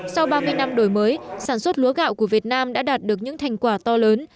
sau ba mươi năm đổi mới sản xuất lúa gạo của việt nam đã đạt được những thành quả to lớn